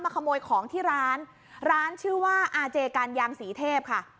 ขโมยของที่ร้านร้านชื่อว่าอาเจการยางสีเทพค่ะ